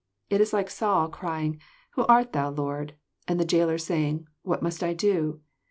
It is like Saul crying, •* Who art Thou, Lord? " and the Jailer saying, "What must I do?"